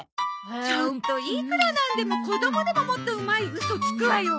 ちょっといくらなんでも子供でももっとうまいウソつくわよ。